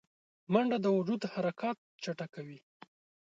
منډه د وجود حرکات چټکوي